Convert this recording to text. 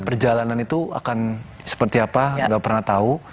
perjalanan itu akan seperti apa nggak pernah tahu